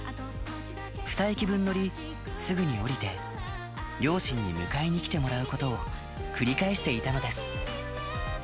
２駅分乗り、すぐに降りて、両親に迎えに来てもらうことを繰り返していたのです。